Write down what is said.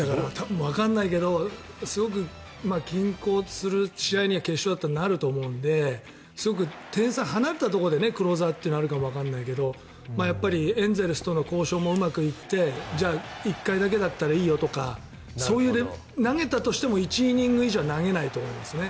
わからないけどすごい均衡する試合には決勝だとなると思うのですごく点差が離れたところでクローザーってなるかもわからないけど、エンゼルスとの交渉もうまくいってじゃあ、１回だけだったらいいよとか投げたとしても１イニング以上は投げないと思いますね。